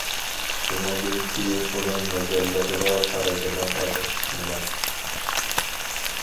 شۇنىڭدىن كېيىن ئۇنىڭ مازارلىقىغا قارايدىغان ئادەم چىقمىغان.